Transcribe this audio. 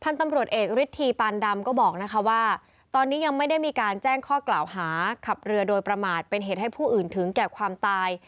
ลูกหรี่ริชที่ปันดำว่าก่อนได้ไม่ได้ยังมีไปแจ้งข้อกล่าวหาคาร์บเรือโดยประมาทเป็นเหตุให้ผู้อื่นถึงแก่ตาย